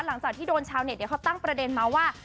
หลังจากที่โดนชาวเน็ตเขาตั้งประเด็นมาว่า